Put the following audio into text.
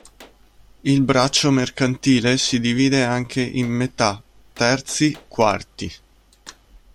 Il braccio mercantile si divide anche in metà, terzi, quarti.